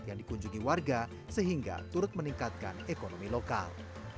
yang dikunjungi warga sehingga turut meningkatkan ekonomi lokal